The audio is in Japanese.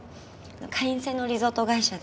会員制のリゾート会社で。